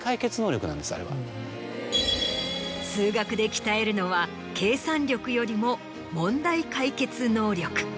数学で鍛えるのは計算力よりも問題解決能力。